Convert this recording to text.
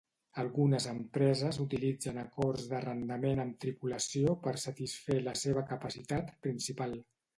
Algunes empreses utilitzen acords d'arrendament amb tripulació per satisfer la seva capacitat principal.